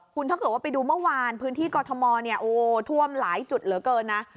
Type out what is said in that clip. คุณถ้าเกิดว่าไปดูเมื่อวานพื้นที่กรทมเนี่ยโอ้ท่วมหลายจุดเหลือเกินนะ